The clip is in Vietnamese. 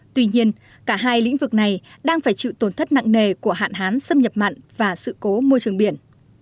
tuy nhiên cả hai lĩnh vực này đang phải chịu tổn thất nặng nề của hạn hán xâm nhập mặn và sự cố môi trường biển